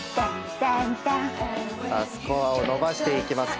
スコアを伸ばしていきます